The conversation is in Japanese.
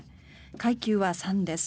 階級は３です。